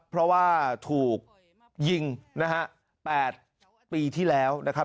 เพราะว่าถูกยิงนะฮะ๘ปีที่แล้วนะครับ